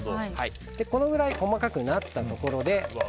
このくらい細かくなったところで。